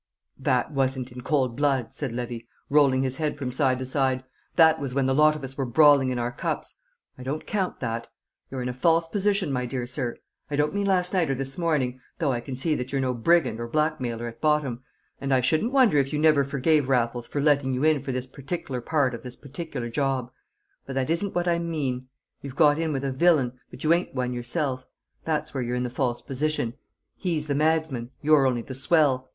"That wasn't in cold blood," said Levy, rolling his head from side to side; "that was when the lot of us were brawling in our cups. I don't count that. You're in a false position, my dear sir. I don't mean last night or this morning though I can see that you're no brigand or blackmailer at bottom and I shouldn't wonder if you never forgave Raffles for letting you in for this partic'lar part of this partic'lar job. But that isn't what I mean. You've got in with a villain, but you ain't one yourself; that's where you're in the false position. He's the magsman, you're only the swell.